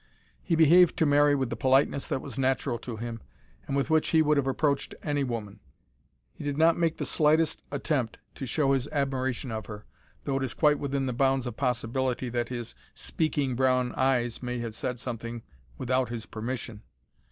He behaved to Mary with the politeness that was natural to him, and with which he would have approached any woman. He did not make the slightest attempt to show his admiration of her, though it is quite within the bounds of possibility that his "speaking" brown eyes may have said something without his permission!